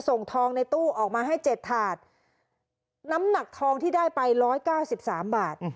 ส่งทองในตู้ออกมาให้เจ็ดถาดน้ำหนักทองที่ได้ไปร้อยเก้าสิบสามบาท